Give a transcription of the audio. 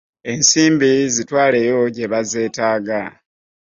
Ensimbi zitwaleyo gye bazeetaaga.